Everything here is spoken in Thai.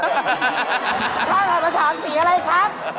ช่างออกมาชามสีอะไรครับ